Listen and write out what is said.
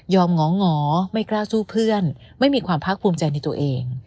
หงอไม่กล้าสู้เพื่อนไม่มีความภาคภูมิใจในตัวเอง